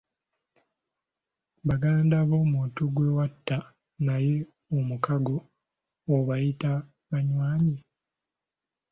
Baganda b'omuntu gwe watta naye omukago obayita banywanyi.